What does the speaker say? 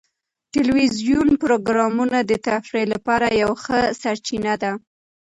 ټلویزیوني پروګرامونه د تفریح لپاره یوه ښه سرچینه ده.